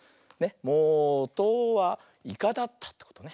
「もとはイカだった」ってことね。